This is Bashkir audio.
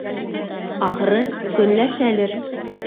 Ахыры, көнләшәлер.